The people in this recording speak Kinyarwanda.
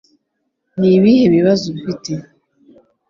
Ni ibihe bibazo ufite?